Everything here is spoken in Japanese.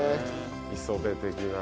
磯辺的な。